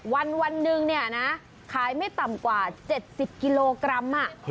วันหนึ่งเนี่ยนะขายไม่ต่ำกว่า๗๐กิโลกรัม